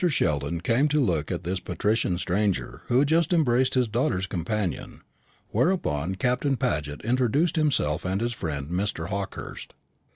Sheldon came to look at this patrician stranger who had just embraced his daughter's companion; whereupon Captain Paget introduced himself and his friend Mr. Hawkehurst.